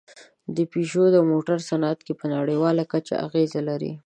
پيژو د موټرو صنعت کې په نړۍواله کچه اغېز لري.